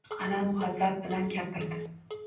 Alam-gʻazab bilan gapirdi